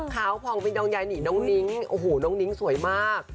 ขาวพองเป็นดองยายหนีน้องนิ้งโอ้โหน้องนิ้งสวยมาก